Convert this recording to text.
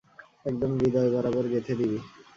একদম হৃদয় বরাবর গেঁথে দিবি!